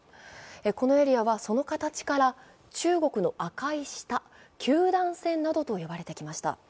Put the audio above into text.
このエリアは、その形から中国の赤い舌、九段線などと呼ばれてきました。